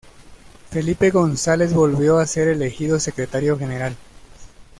Felipe González volvió a ser elegido Secretario General.